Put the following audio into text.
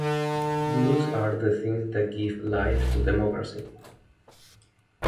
Those are the things that give life to democracy.